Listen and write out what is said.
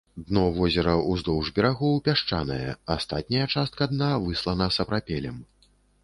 Дно возера ўздоўж берагоў пясчанае, астатняя частка дна выслана сапрапелем.